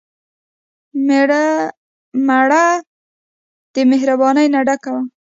مړه د مهربانۍ نه ډکه وه